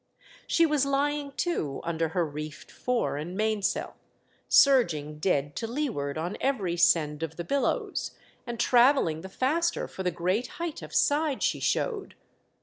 She was lying to under her reefed fore and mainsail, surging dead to leeward on every scend of the billows, and travelling the faster for the great height of side she showed.